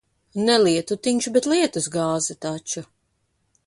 Ne lietutiņš, bet lietus gāze taču.